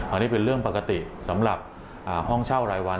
อันนี้เป็นเรื่องปกติสำหรับห้องเช่ารายวัน